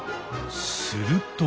すると。